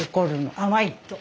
「甘い！」と。